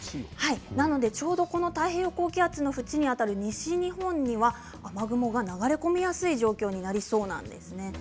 なので、ちょうど太平洋高気圧の縁にあたる西日本には雨雲が流れ込みやすい状況になりそうなんですね。